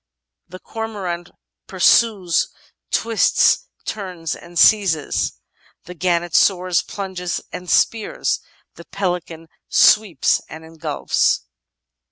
"The Cormorant pursues, twists, turns, and seizes ; the Gannet soars, plunges, and spears; the Pelican sweeps and engulfs."